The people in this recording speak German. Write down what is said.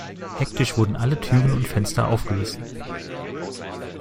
Hektisch wurden alle Türen und Fenster aufgerissen.